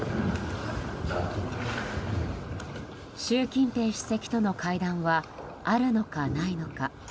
習近平主席との会談はあるのか、ないのか。